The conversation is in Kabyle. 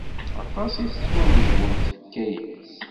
Aṭas i ttwameẓwel tfekka-innes.